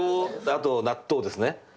あと納豆ですね。